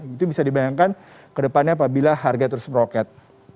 itu bisa dibayangkan ke depannya apabila harga terus meroket